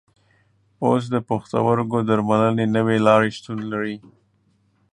اوس د پښتورګو د درملنې نوې لارې شتون لري.